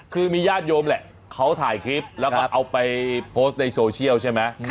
คือมีญาติโยมแหละเขาถ่ายคลิปแล้วก็เอาไปโพสต์ในโซเชียลใช่ไหม